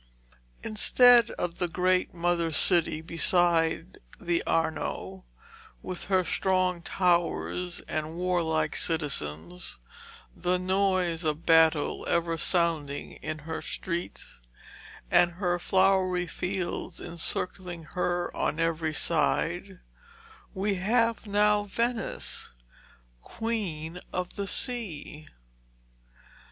Instead of the great mother city beside the Arno, with her strong towers and warlike citizens, the noise of battle ever sounding in her streets, and her flowery fields encircling her on every side, we have now Venice, Queen of the Sea.